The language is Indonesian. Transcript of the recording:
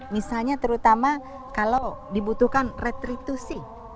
misalnya terutama kalau dibutuhkan retritusi